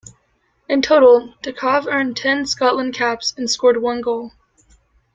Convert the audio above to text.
In total, Dickov earned ten Scotland caps and scored one goal.